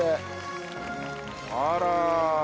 あら！